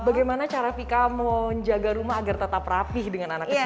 bagaimana cara vika menjaga rumah agar tetap rapih dengan anak kecil